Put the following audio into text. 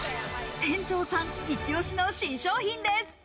店長さん、イチオシの新商品です。